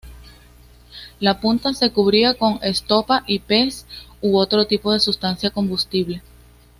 La punta se cubría con estopa y pez u otro tipo de sustancia combustible.